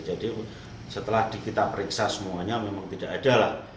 jadi setelah kita periksa semuanya memang tidak ada lah